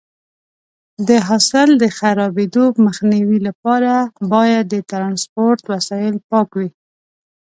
د حاصل د خرابېدو مخنیوي لپاره باید د ټرانسپورټ وسایط پاک وي.